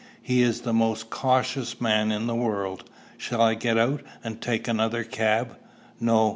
He is the most cautious man in the world. Shall I get out, and take another cab?" "No.